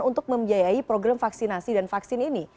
untuk membiayai program vaksinasi dan vaksin ini